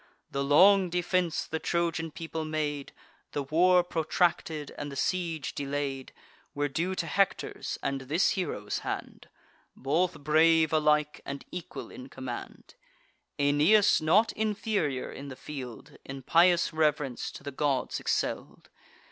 The long defence the Trojan people made, The war protracted, and the siege delay'd, Were due to Hector's and this hero's hand: Both brave alike, and equal in command; Aeneas, not inferior in the field, In pious reverence to the gods excell'd.